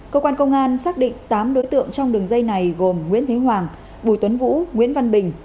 cơ quan công an xác định tám đối tượng trong đường dây này gồm nguyễn thế hoàng bùi tuấn vũ nguyễn văn bình